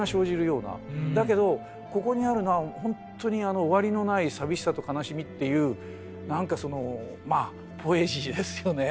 だけどここにあるのはほんとに終わりのない寂しさと悲しみっていう何かそのまあポエジーですよね。